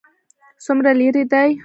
څومره لیرې دی؟